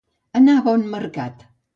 Anar a bon mercat.